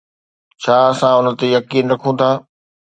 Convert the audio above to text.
ڇا اسان ان تي يقين رکون ٿا؟